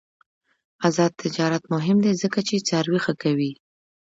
آزاد تجارت مهم دی ځکه چې څاروي ښه کوي.